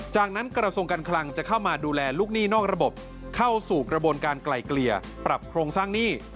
จากนั้นกระทรวงการคลังจะเข้ามาดูแลลูกหนี้นอกระบบเข้าสู่กระบวนการไกลเกลี่ยปรับโครงสร้างหนี้